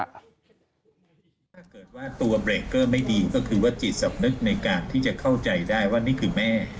ถ้าเกิดว่าตัวเบรกเกอร์ไม่ดีก็คือว่าจิตสำนึกในการที่จะเข้าใจได้ว่านี่คือแม่